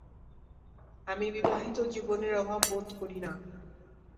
আমি বিবাহিত জীবনের অভাব বোধ করি না।